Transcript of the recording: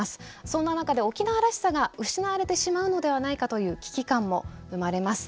そんな中で「沖縄らしさ」が失われてしまうのではないかという危機感も生まれます。